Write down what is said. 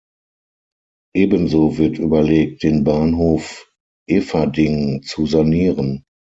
Ebenso wird überlegt, den Bahnhof Eferding zu sanieren.